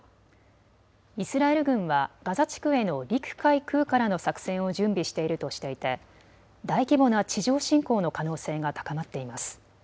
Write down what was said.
イスラエル軍はガザ地区への陸、海、空からの作戦を準備しているとしていて大規模な地上侵攻の可能性が高まっています。